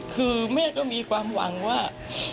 คือแม่ก็มีความหวังว่า